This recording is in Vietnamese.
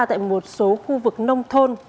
tại một số khu vực nông thôn